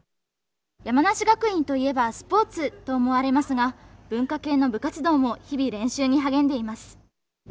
山梨学院といえばスポーツと思われますが文化系の部活動も日々練習に励んでいます。